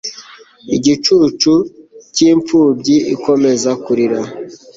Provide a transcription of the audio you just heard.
Igicucu cyimfubyi ikomeza kurira